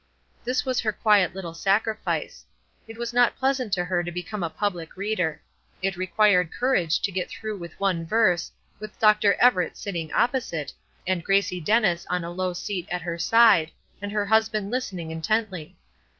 This was her quiet little sacrifice. It was not pleasant to her to become a public reader. It required courage to get through with one verse, with Dr. Everett sitting opposite, and Gracie Dennis on a low seat at her side, and her husband listening intently.